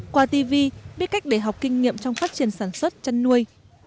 qua tv biết cách để học kinh nghiệm trong phát triển sản xuất chăn nuôi